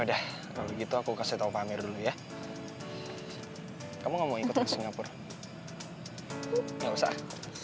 udah kalau gitu aku kasih tahu pamer dulu ya kamu ngomongin ke singapura nggak usah